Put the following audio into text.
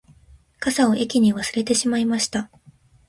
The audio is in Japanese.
傘を駅に忘れてしまいました